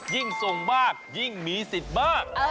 ยิ่งทรงมากยิ่งมีสิทธิ์มาก